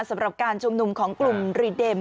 สำหรับการชุมนุมของกลุ่มรีเดม